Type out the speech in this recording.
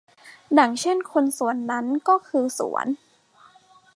ดังเช่นคนสวนนั้นก็คือสวน